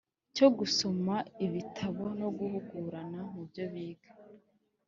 cyo gusoma ibitabo no guhugurana mu byo biga.